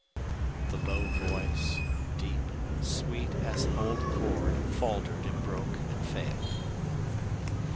The low voice, deep, sweet as an old chord, faltered and broke and failed.